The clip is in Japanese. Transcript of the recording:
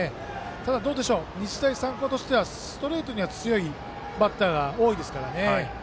ただ、どうでしょう日大三高としてはストレートに強いバッターが多いですからね。